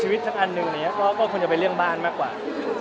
ชีวิตที่การดูก็ก็คงจะเป็นเรื่องบ้านมากกว่า